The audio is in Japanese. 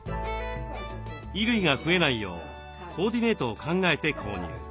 衣類が増えないようコーディネートを考えて購入。